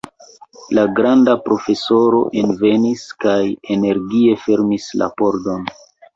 La granda profesoro envenis kaj energie fermis la pordon.